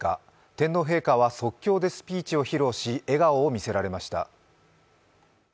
天皇陛下は即興でスピーチを披露し笑顔を見せられました。